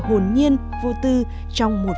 hồn nhiên vô tư trong một